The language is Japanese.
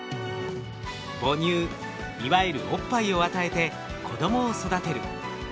母乳いわゆるおっぱいを与えて子供を育てる。